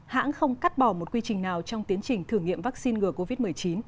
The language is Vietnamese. hãng không cắt bỏ một quy trình nào trong tiến trình thử nghiệm vaccine ngừa covid một mươi chín